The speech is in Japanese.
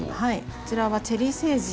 こちらはチェリーセージ。